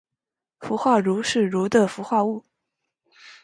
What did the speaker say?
氟化铷是铷的氟化物。